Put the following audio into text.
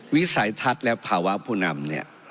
วิสัยทัศน์และภาวะผู้นำเนี่ย